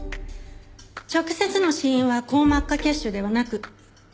直接の死因は硬膜下血腫ではなく溺死です。